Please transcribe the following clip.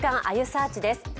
あゆサーチ」です。